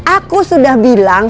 aku sudah bilang